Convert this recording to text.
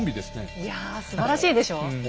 いやすばらしいでしょう？